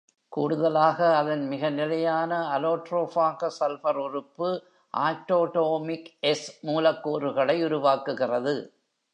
கூடுதலாக, அதன் மிக நிலையான அலோட்ரோபாக சல்பர் உறுப்பு ஆக்டோடோமிக் எஸ் மூலக்கூறுகளை உருவாக்குகிறது.